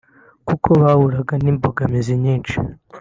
kuko bahuraga n’imbogamizi nyishi